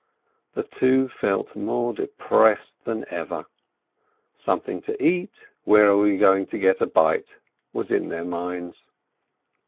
The two felt more depressed than ever. "Something to eat ? Where are we to get a bite ?" was in their minds.